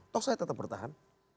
tok saya tetap bertahan